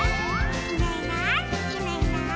「いないいないいないいない」